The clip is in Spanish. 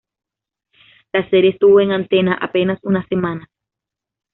La serie estuvo en antena apenas unas semanas.